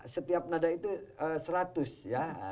setiap nada itu seratus ya